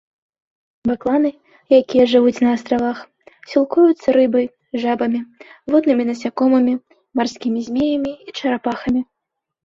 Бакланы, якія жывуць на астравах, сілкуюцца рыбай, жабамі, воднымі насякомымі, марскімі змеямі і чарапахамі.